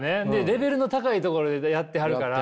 レベルの高いところでやってはるから。